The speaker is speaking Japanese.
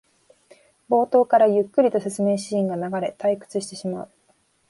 冒頭からゆっくりと説明シーンが流れ退屈してしまう